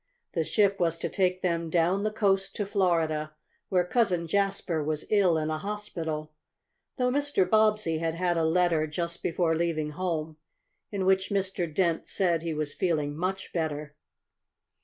The ship was to take them down the coast to Florida, where Cousin Jasper was ill in a hospital, though Mr. Bobbsey had had a letter, just before leaving home, in which Mr. Dent said he was feeling much better.